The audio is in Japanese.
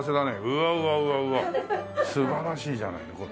うわうわうわうわ素晴らしいじゃないこれ。